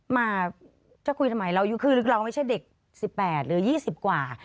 มาจะคุยทำไมเราอายุคือเราไม่ใช่เด็ก๑๘หรือ๒๐กว่า